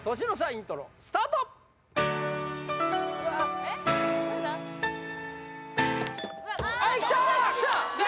イントロスタートはいいったきた！